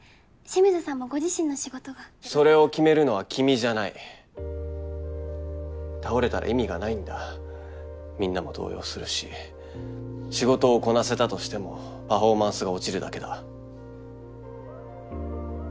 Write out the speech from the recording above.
清水さんもご自身の仕事がそれを決めるのは君じゃない倒れたら意味がないんだみんなも動揺するし仕事をこなせたとしてもパフォーマンスが落ちるだけだ